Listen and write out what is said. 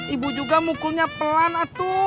ibu juga mukulnya pelan atu